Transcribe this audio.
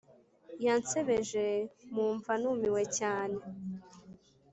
yansebeje mumva numiwe cyane